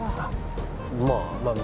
まあまあま